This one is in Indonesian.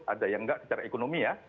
ada yang enggak secara ekonomi ya